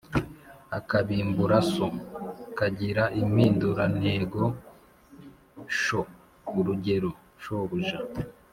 Akabimbura “so” kagira impindurantego “sho”. Urugero: shobuja